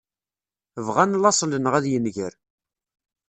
Bγan laṣel-nneγ ad yenger.